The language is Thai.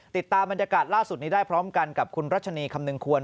ติดตามบรรยากาศล่าสุดนี้ได้พร้อมกันกับคุณรัชนีคำนึงควร